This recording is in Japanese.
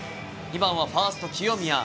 ２番はファースト、清宮。